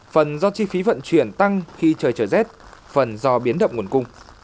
phần do chi phí vận chuyển tăng khi trời trở rét phần do biến động nguồn cung